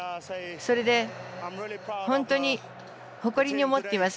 それで本当に誇りに思っています。